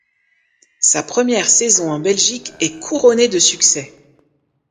Sa première saison en Belgique est couronnée de succès.